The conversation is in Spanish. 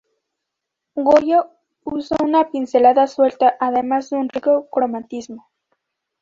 Goya usa una pincelada suelta, además de un rico cromatismo.